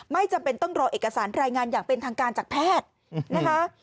ไม่จำเป็นต้องรอเอกสารรายงานอย่างเป็นทางการจากแพทย์นะคะ